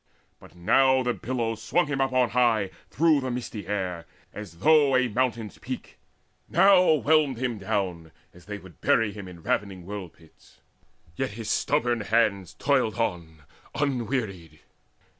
But now the billows swung him up on high Through misty air, as though to a mountain's peak, Now whelmed him down, as they would bury him In ravening whirlpits: yet his stubborn hands Toiled on unwearied.